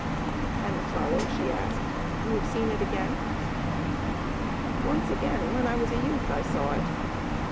"And the flower," she asked, "you have seen it again?" "Once again, when I was a youth, I saw it.